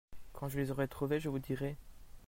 Quand je les aurai trouvés je vous dirai.